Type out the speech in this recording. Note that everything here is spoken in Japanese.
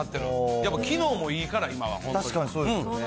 やっぱり機能もいいから、今は本当に。